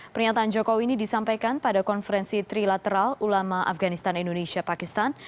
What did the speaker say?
pernyataan jokowi ini disampaikan pada konferensi trilateral ulama afganistan indonesia pakistan